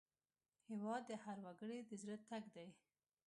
هېواد د هر وګړي د زړه ټک دی.